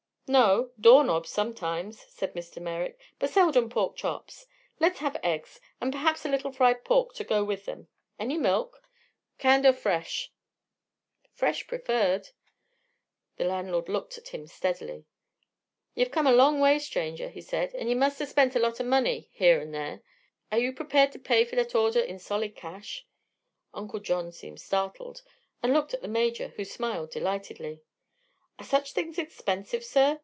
"No. Door knobs, sometimes," said Mr. Merrick, "but seldom pork chops. Let's have eggs, and perhaps a little fried pork to go with them. Any milk?" "Canned er fresh?" "Fresh preferred." The landlord looked at him steadily. "Yeh've come a long way, stranger," he said, "an' yeh must 'a' spent a lot of money, here 'n' there. Air yeh prepared to pay fer thet order in solid cash?" Uncle John seemed startled, and looked at the Major, who smiled delightedly. "Are such things expensive, sir?"